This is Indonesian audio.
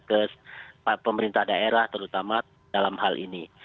ke pemerintah daerah terutama dalam hal ini